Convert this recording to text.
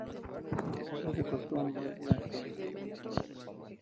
Es de costumbres bentos.